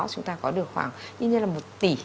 chúng ta có được khoảng ít nhất là một tỷ